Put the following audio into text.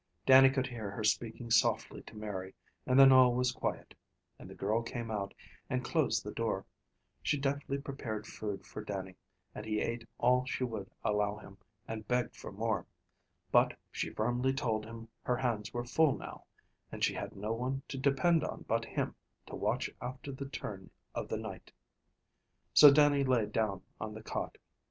Dannie could hear her speaking softly to Mary, and then all was quiet, and the girl came out and closed the door. She deftly prepared food for Dannie, and he ate all she would allow him, and begged for more; but she firmly told him her hands were full now, and she had no one to depend on but him to watch after the turn of the night. So Dannie lay down on the cot.